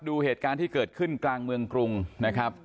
ดูเหตุการณ์ที่เกิดขึ้นกลางเมืองกรุงนะครับ